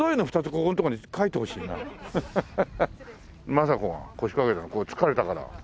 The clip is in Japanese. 政子が腰掛けたのこれ疲れたから。